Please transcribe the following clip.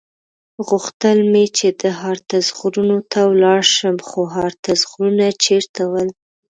غوښتل مې چې د هارتز غرونو ته ولاړ شم، خو هارتز غرونه چېرته ول؟